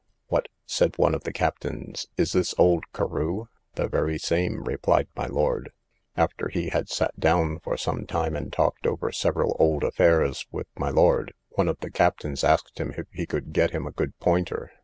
What, said one of the captains, is this old Carew? the very same, replied my lord. After he had sat down for some time, and talked over several old affairs with my lord, one of the captains asked him if he could get him a good pointer.